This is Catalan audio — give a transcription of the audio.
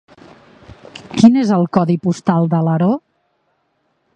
Quin és el codi postal d'Alaró?